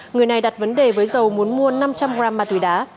người này đặt vấn đề với dầu muốn mua năm trăm linh gram ma túy đá